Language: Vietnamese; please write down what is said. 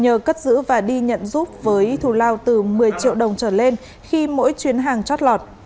nhờ cất giữ và đi nhận giúp với thù lao từ một mươi triệu đồng trở lên khi mỗi chuyến hàng chót lọt